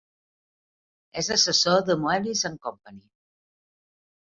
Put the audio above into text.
És assessor de Moelis and Company.